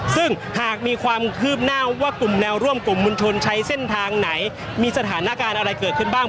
ซึ่งหากมีความคืบหน้าว่ากลุ่มแนวร่วมกลุ่มมุนชนใช้เส้นทางไหนมีสถานการณ์อะไรเกิดขึ้นบ้าง